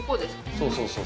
そうそうそう。